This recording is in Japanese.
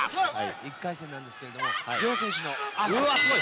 １回戦なんですけれども両選手のうわっすごい！